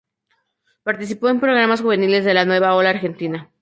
Participó en programas juveniles de "la nueva ola argentina".